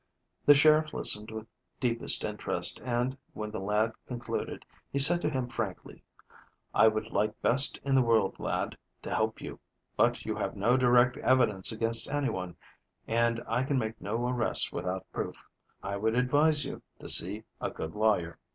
The sheriff listened with deepest interest, and when the lad concluded he said to him frankly: "I would like best in the world, lad, to help you, but you have no direct evidence against anyone, and I can make no arrests without proof. I would advise you to see a good lawyer.